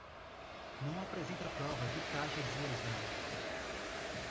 Não apresenta prova de taxas de exame.